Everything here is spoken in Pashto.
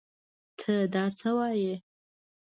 تۀ دا څه وايې ؟